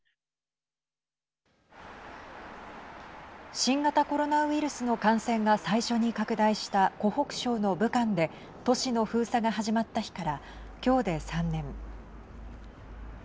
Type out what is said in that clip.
新型コロナウイルスの感染が最初に拡大した湖北省の武漢で都市の封鎖が始まった日から今日で３年。